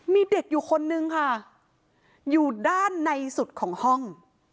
มีเด็กอยู่คนนึงค่ะอยู่ด้านในสุดของห้อง